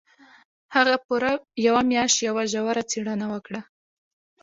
هغه پوره يوه مياشت يوه ژوره څېړنه وکړه.